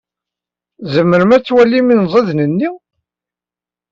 Tzemrem ad twalim inẓiden-nni?